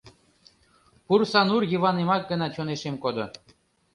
Пурсанур Йыванемак гына чонешем кодо.